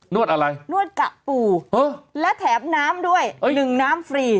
นวดอะไรนวดกะปู่แล้วแถมน้ำด้วย๑น้ำฟรี